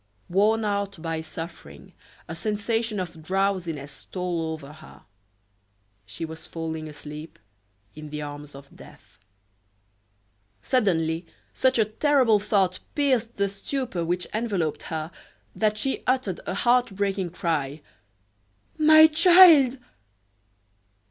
Worn out by suffering, a sensation of drowsiness stole over her. She was falling asleep in the arms of death. Suddenly such a terrible thought pierced the stupor which enveloped her that she uttered a heart breaking cry: "My child!"